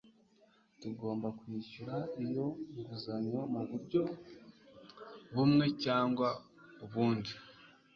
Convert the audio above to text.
Tugomba kwishyura iyo nguzanyo muburyo bumwe cyangwa ubundi.